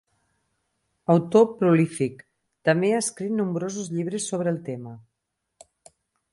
Autor prolífic, també ha escrit nombrosos llibres sobre el tema.